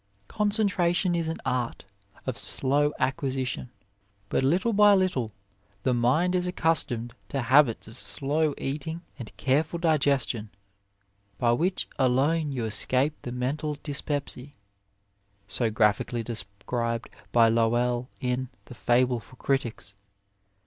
Concentration is an art of slow acquisition, but little by little the mind is accustomed to habits of slow eating and care ful digestion, by which alone you escape the "mental dys pepsy" so graphically described by Lowell in the Fable for Critics.